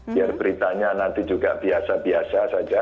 biar beritanya nanti juga biasa biasa saja